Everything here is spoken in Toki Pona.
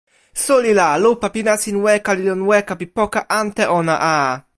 suli la, lupa pi nasin weka li lon weka pi poka ante ona a!